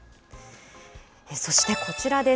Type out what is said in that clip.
そしてこちらです。